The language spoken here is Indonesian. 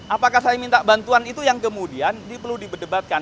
apakah saya minta bantuan itu yang kemudian perlu dibedebatkan